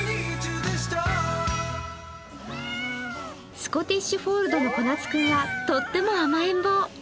スコティッシュフォールドのこなつ君はとっても甘えん坊。